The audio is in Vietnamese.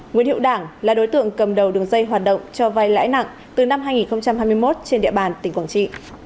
nguyễn hiệu đảng là đối tượng cầm đầu đường dây hoạt động cho vai lãi nặng từ năm hai nghìn hai mươi một trên địa bàn tỉnh quảng trị